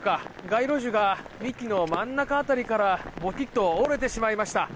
街路樹が幹の真ん中辺りからぼきっと折れてしまいました。